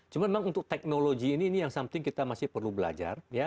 cuma memang untuk teknologi ini yang something kita masih perlu belajar